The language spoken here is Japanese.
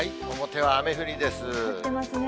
降ってますね。